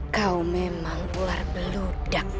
kau memang ular beludak